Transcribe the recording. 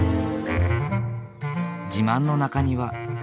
自慢の中庭。